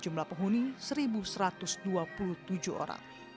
jumlah penghuni satu satu ratus dua puluh tujuh orang